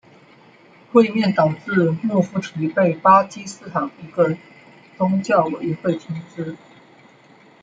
会面导致穆夫提被巴基斯坦一个宗教委员会停职。